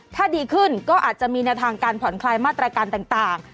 ถ้าดีขึ้นก็อาจจะมีแนวทางการผ่อนคลายมาตรการต่าง